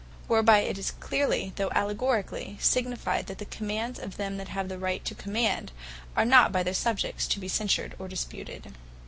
Whereby it is cleerly, (though Allegorically,) signified, that the Commands of them that have the right to command, are not by their Subjects to be censured, nor disputed.